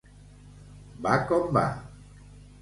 Va com va.